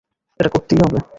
এটা করতেই হবে।